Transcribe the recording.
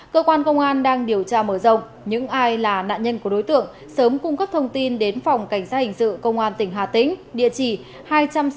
cơ quan công an đang điều tra mở rộng những ai là nạn nhân của đối tượng sớm cung cấp thông tin đến phòng cảnh sát hình sự công an tỉnh hà tĩnh